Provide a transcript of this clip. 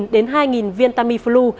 một đến hai viên tamiflu